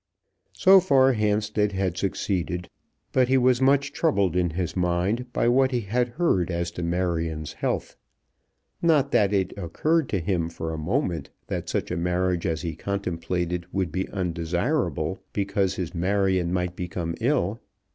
So far Hampstead had succeeded; but he was much troubled in his mind by what he had heard as to Marion's health. Not that it occurred to him for a moment that such a marriage as he contemplated would be undesirable because his Marion might become ill.